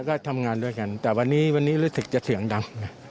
ก็ทำงานด้วยกันแต่วันนี้วันนี้รู้สึกจะเสียงดัง